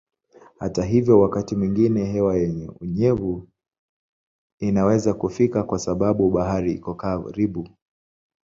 Hata hivyo wakati mwingine hewa yenye unyevu inaweza kufika kwa sababu bahari iko karibu.